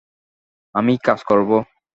আমি কাজ করব।